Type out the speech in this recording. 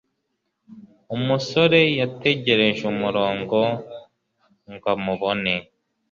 Umusore yategereje umurongo ngo amubone.